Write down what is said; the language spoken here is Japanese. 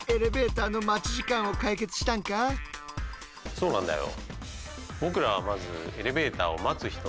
そうなんだよ。